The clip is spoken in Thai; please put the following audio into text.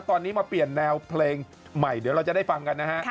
ตอนนี้มาเปลี่ยนแนวเพลงใหม่เดี๋ยวเราจะได้ฟังกันนะฮะ